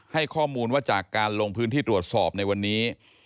ให้ข้อมูลว่าจากการลงพื้นที่ตรวจสอบในวันนี้